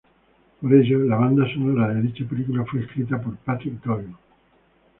Por ello, la banda sonora de dicha película fue escrita por Patrick Doyle.